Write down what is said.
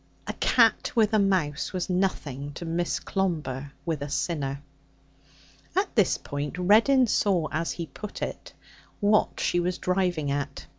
A cat with a mouse was nothing to Miss Clomber with a sinner. At this point Reddin saw, as he put it, what she was driving at.